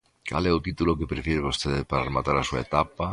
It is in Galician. ¿Cal é o título que prefire vostede para rematar a súa etapa?